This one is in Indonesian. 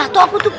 jatuh aku tuh